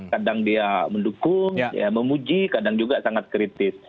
kadang dia mendukung memuji kadang juga sangat kritis